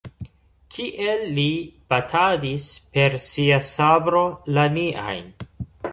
Kiel li batadis per sia sabro la niajn?